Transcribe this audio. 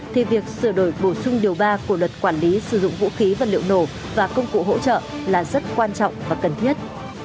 thì việc sửa đổi bổ sung điều ba của luật quản lý sử dụng vũ khí vật liệu nổ và công cụ hỗ trợ là rất quan trọng và cần thiết